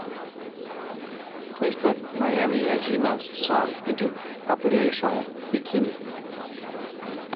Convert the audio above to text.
Please put maimi yajima's song onto Operación Bikini.